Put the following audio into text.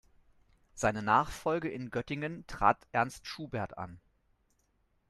Seine Nachfolge in Göttingen trat Ernst Schubert an.